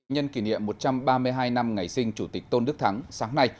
nhân kỷ niệm một trăm ba mươi hai năm ngày sinh chủ tịch tôn đức thắng sáng nay